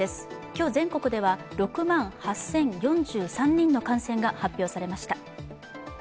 今日全国では６万８０４３人の感染が発表されました。